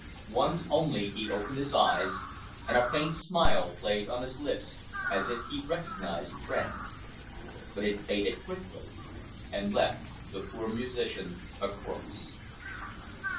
Once only he opened his eyes, and a faint smile played on his lips, as if he recognised friends, but it faded quickly and left the poor musician a corpse.